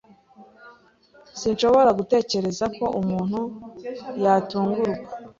Sinshobora gutekereza ko umuntu yatungurwa.